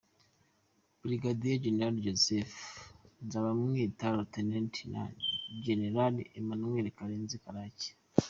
Brigadier General Joseph NzabamwitaLieutenant na General Emmanuel Karenzi Karake